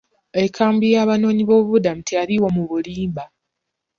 Enkambi y'abanoonyiboobubudamu teyaliiwo mu bulimba.